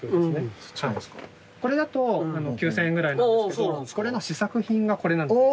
これだと９，０００円ぐらいなんですけどこれの試作品がこれなんです。